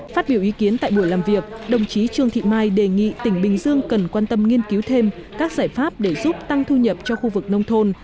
phát biểu ý kiến tại buổi làm việc đồng chí trương thị mai đề nghị tỉnh bình dương cần quan tâm nghiên cứu thêm các giải pháp để giúp tăng thu nhập cho khu vực nông thôn